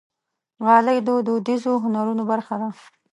غالۍ د دودیزو هنرونو برخه ده.